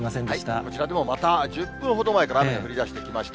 こちらでもまた１０分ほど前から雨降りだしてきました。